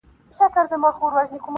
نه یم رسېدلی و سپېڅلي لېونتوب ته زه,